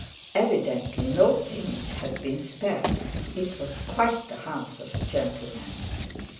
Evidently, no pains had been spared. It was quite the house of a gentleman.